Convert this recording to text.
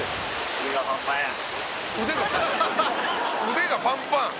腕がパンパン？」